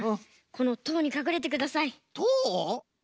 このとうにかくれてください。